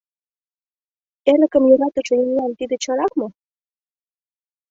Эрыкым йӧратыше еҥлан тиде чарак мо?